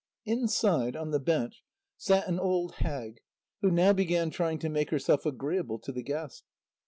Inside on the bench sat an old hag who now began trying to make herself agreeable to the guest.